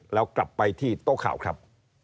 แล้วกลับไปที่โต๊ะข่าวครับ